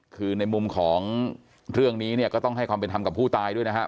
คือในมุมของเรื่องนี้เนี่ยก็ต้องให้ความเป็นธรรมกับผู้ตายด้วยนะครับ